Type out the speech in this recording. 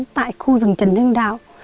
tại khu rừng trần hưng đạo